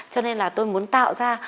cho nên là tôi muốn tạo ra